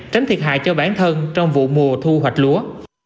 tránh thiệt hại cho bản thân trong vụ mùa thu hoạch lúa